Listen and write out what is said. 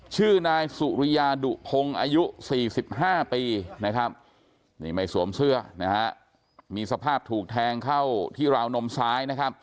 ชื่อนายสุริยาดุพงศ์อายุ๔๕ปีไม่สวมเสื้อมีสภาพถูกแทงเข้าที่ราวนมซ้าย